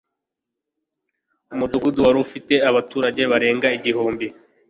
Umudugudu wari ufite abaturage barenga igihumbi